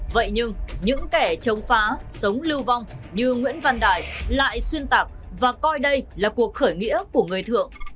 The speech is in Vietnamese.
vậy nhưng những kẻ chống phá sống lưu vong như nguyễn văn đại lại xuyên tạc và coi đây là cuộc khởi nghĩa của người thượng